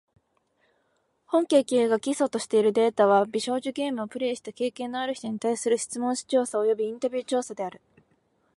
本研究が基礎としているデータは、美少女ゲームをプレイした経験のある人に対する質問紙調査およびインタビュー調査である。